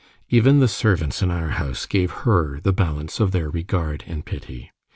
Even the servants in our house gave her the balance of their regard and pity.